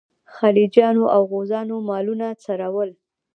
خلجیانو او غوزانو مالونه څرول.